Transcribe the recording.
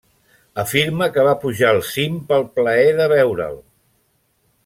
Afirma que va pujar al cim pel plaer de veure'l.